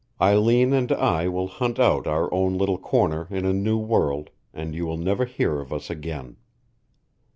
Eileen and I will hunt out our own little corner in a new world, and you will never hear of us again.